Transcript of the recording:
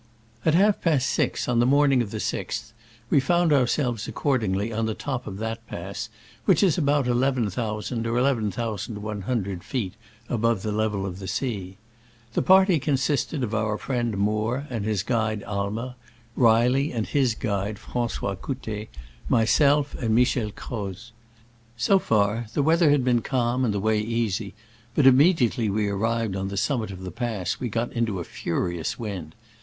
At half past six on the morning of the 6th we found ourselves accordingly on the top of that pass, which is about eleven thousand or elev en thousand one hundred feet above the level of the sea. The party consisted of our friend Moore and his guide Aimer, Reilly and his guide Francois Cputtet, myself and Michel Croz. So far, the weather had been calm and the way easy, but immediately we arrived on the summit of the pass we got into a furious wind.